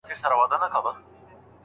ایا ړوند سړی د ږیري سره ډېري مڼې خوري؟